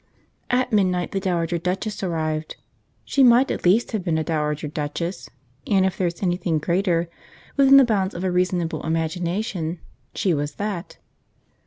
At midnight the dowager duchess arrived. She must at least have been a dowager duchess, and if there is anything greater, within the bounds of a reasonable imagination, she was that.